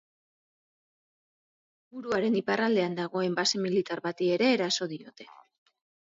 Hiriburuaren iparraldean dagoen base militar bati ere eraso diote.